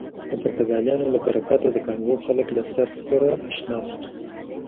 د پرتګالیانو له برکته د کانګو خلک له څرخ سره اشنا شول.